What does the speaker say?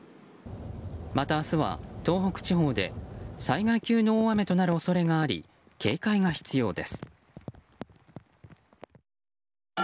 また、明日は東北地方で災害級の大雨となる恐れがあり警戒が必要です。